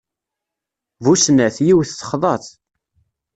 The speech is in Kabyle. Bu snat, yiwet texḍa-t.